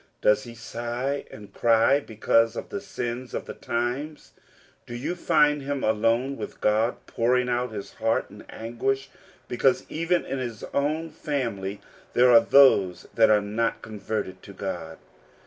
Does he sigh and cly because of the sins of the times ? Do you find him alone with God pouring out his heart in anguish because even in his own family there are those that are not converted to God